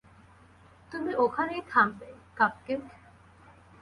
তুমি ওখানেই থামবে, কাপকেক!